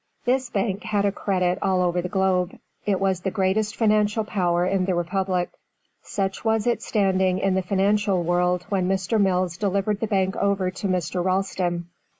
This bank had a credit all over the globe. It was the greatest financial power in the Republic. Such was its standing in the financial world when Mr. Mills delivered the bank over to Mr. Ralston.